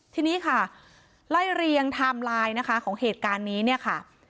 ทีนี้ค่ะไล่เรียงไทม์ไลน์นะคะของเหตุการณ์นี้เนี่ยค่ะ